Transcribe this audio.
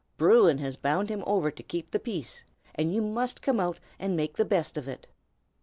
Bruin has bound him over to keep the peace, and you must come out and make the best of it."